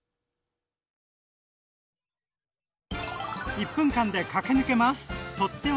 １分間で駆け抜けます！